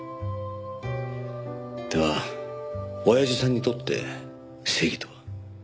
ではおやじさんにとって正義とは？